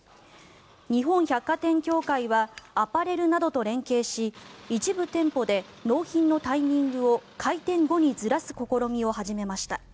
日本百貨店協会はアパレルなどと連携し一部店舗で納品のタイミングを開店後にずらす試みを始めました。